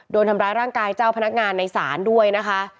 โดนทำร้ายร่างกายเจ้าพนักงานในศาลด้วยนะคะ